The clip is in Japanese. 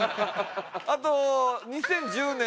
あと２０１０年